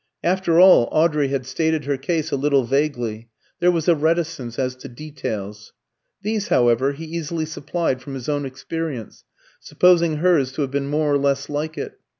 After all, Audrey had stated her case a little vaguely there was a reticence as to details. These, however, he easily supplied from his own experience, supposing hers to have been more or less like it.